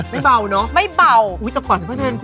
คือหาไม่ได้เนี่ย